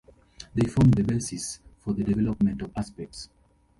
They form the basis for the development of aspects.